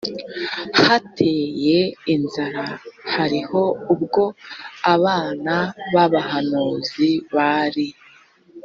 hateye inzara hariho ubwo abana b abahanuzi bari